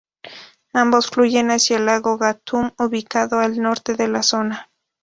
Ambos fluyen hacia el lago Gatún, ubicado al norte de la zona.